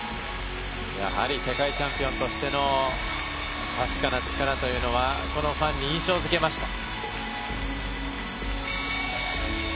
やはり世界チャンピオンとしての確かな力というのはこのファンに印象づけました。